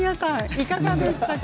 いかがでしたか。